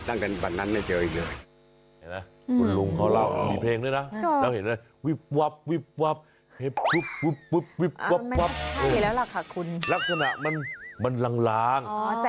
แสงวิบวับแต่ไม่ใช่เสียงที่มันทำให้สนุกสนานขนาดนั้น